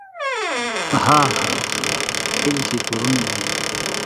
هاهاها په کلي کې کورونه وي.